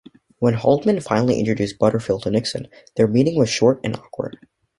When Haldeman finally introduced Butterfield to Nixon, their meeting was short and awkward.